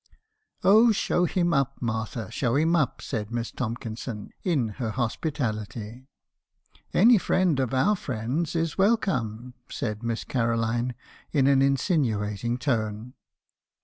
<u Oh, show him up, Martha, show him up!' said Miss Tomkinson , in her hospitality. me. Harrison's confessions. 269 "'Any friend of our friend's is welcome," said Miss Caroline, in an insinuating tone.